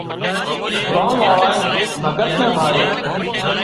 ڳام واۯانئين ڀڳت نين ڀاۯيو